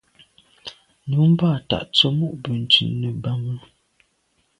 Nummb’a ta tsemo’ benntùn nebame.